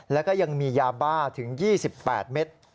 แล้วก็ยังมียาบ้าถึง๒๘เมตร